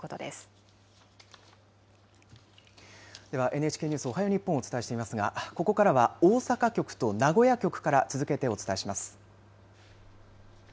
ＮＨＫニュースおはよう日本をお伝えしていますがここからは大阪局と名古屋局から続けてお伝えします。